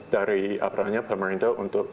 dari aparatnya pemerintah untuk